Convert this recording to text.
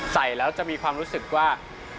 ใส่แล้วจะมีความรู้สึกว่า